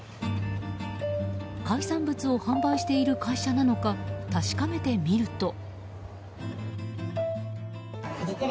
海産物を販売している会社なのか確かめてみると。